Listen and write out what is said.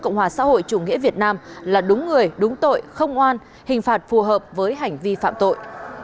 cộng hòa xã hội chủ nghĩa việt nam là đúng người đúng tội không oan hình phạt phù hợp với hành vi phạm tội